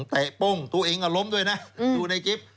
โป้งตัวเองก็ล้มด้วยนะดูในคลิป